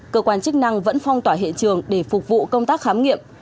cơ quan chức năng vẫn phong tỏa hiện trường để phục vụ công tác khám nghiệm